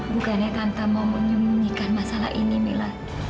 bukannya tanpa mau menyembunyikan masalah ini mila